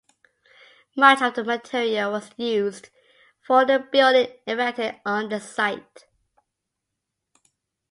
Much of the material was used for the building erected on the site.